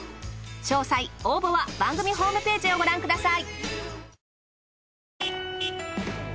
詳細応募は番組ホームページをご覧ください。